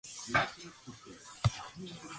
あいしてる